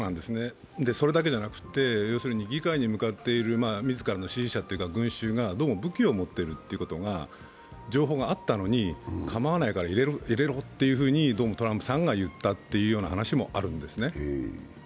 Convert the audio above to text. それだけじゃくなて、議会に向かっている自らの支持者というか、群衆がどうも武器を持っているという情報があったのに、構わないから入れろとトランプさんが言ったという話もあるんですね。